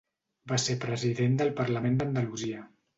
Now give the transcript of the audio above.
Va ser president del Parlament d'Andalusia.